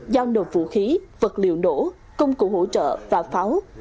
giao nộp vũ khí vật liệu nổ công cụ hỗ trợ và pháo